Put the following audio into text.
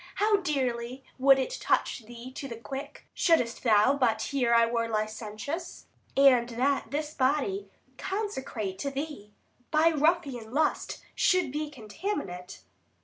How dearly would it touch thee to the quick, Shouldst thou but hear I were licentious, 130 And that this body, consecrate to thee, By ruffian lust should be contaminate!